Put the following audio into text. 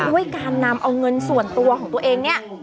ด้วยการนำเอาเงินส่วนตัวของตัวเองเนี่ย